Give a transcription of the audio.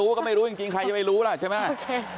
ก็ไม่รู้จริงใครจะไม่รู้ล่ะใช่ไหม